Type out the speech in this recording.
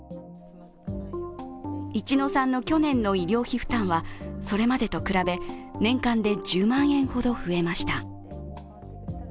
一乃さんの去年の医療費負担はそれまでと比べ年間で１０万円ほど増えました。